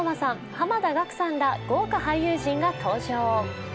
濱田岳さんら豪華俳優陣が登場。